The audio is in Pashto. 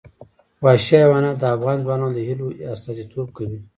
وحشي حیوانات د افغان ځوانانو د هیلو استازیتوب کوي.